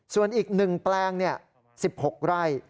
ส่วนอีก๑แปลง๑๖ไร่